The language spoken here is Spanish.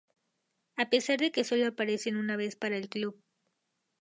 A pesar de que sólo aparecen una vez para el club.